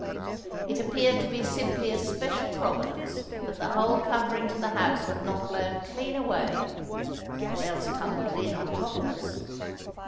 It appeared to be simply a special providence that the whole covering to the house had not blown clean away—or else tumbled in on top of us!